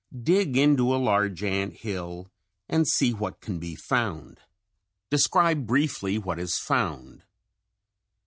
Dig into a large ant hill and see what can be found. Describe briefly what is found.